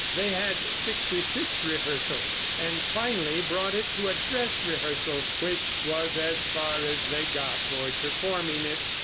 They had sixty six rehearsals, and finally brought it to a dress rehearsal, which was as far as they got toward performing it.